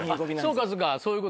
そうかそうかそういうことね。